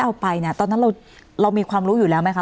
เอาไปเนี่ยตอนนั้นเรามีความรู้อยู่แล้วไหมคะ